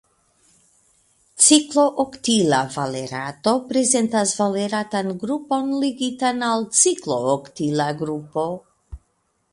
Ciklooktila valerato prezentas valeratan grupon ligitan al ciklooktila grupo.